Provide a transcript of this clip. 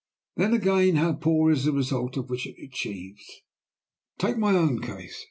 Then, again, how poor it is in the results which it achieves! Take my own case.